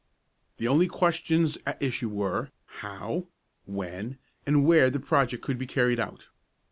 The only questions at issue were, how, when, and where the project could be carried out.